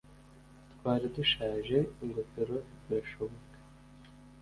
twari dushaje - "ingofero" birashoboka,